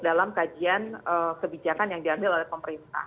dalam kajian kebijakan yang diambil oleh pemerintah